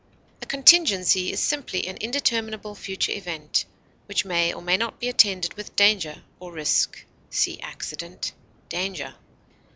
A contingency is simply an indeterminable future event, which may or may not be attended with danger or risk. See ACCIDENT; DANGER.